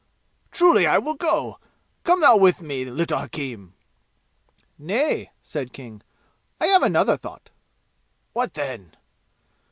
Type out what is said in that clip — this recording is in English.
'Truly I will go! Come thou with me, little hakim!" "Nay," said King, "I have another thought." "What then?"